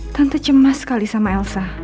tante cemas sekali sama elsa